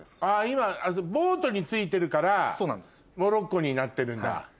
今ボートに付いてるからモロッコになってるんだ。